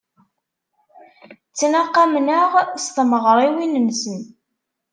Ttnaqamen-aɣ s tmeɣriwin-nsen.